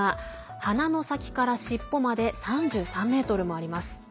鼻の先から尻尾まで３３ｍもあります。